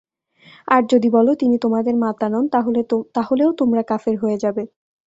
আর যদি বল, তিনি তোমাদের মাতা নন, তাহলেও তোমরা কাফের হয়ে যাবে।